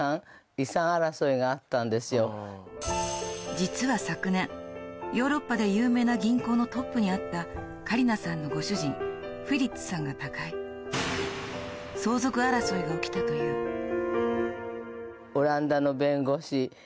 実は昨年ヨーロッパで有名な銀行のトップにあったカリナさんのご主人フリッツさんが他界が起きたというともう駆使して。